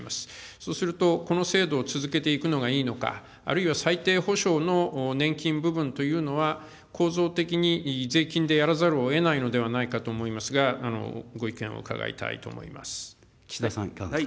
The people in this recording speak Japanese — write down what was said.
そうすると、この制度を続けていくのがいいのか、あるいは最低保障の年金部分というのは、構造的に税金でやらざるをえないのではないかと思いますが、ご意岸田さん、いかがですか。